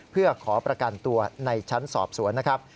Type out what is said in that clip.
เพื่อขอประกันตัวในชั้นสอบสวนนะครับ